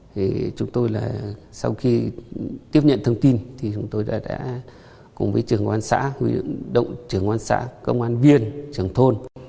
thì chúng tôi là sau khi tiếp nhận thông tin thì chúng tôi đã cùng với trưởng quan xã trưởng quan xã công an viên trưởng thôn